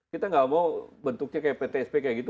kita nggak mau bentuknya kayak ptsp kayak gitu